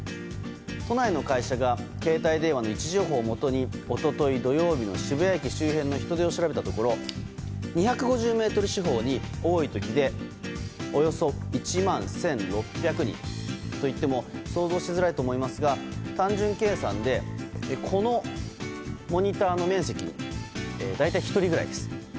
都内の会社が携帯電話の位置情報をもとに一昨日土曜日の渋谷駅周辺の人出を調べたところ２５０メートル四方に多い時でおよそ１万１６００人といっても想像しづらいと思いますが単純計算でこのモニターの面積に大体１人ぐらいです。